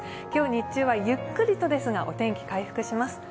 今日日中はゆっくりとですがお天気回復します。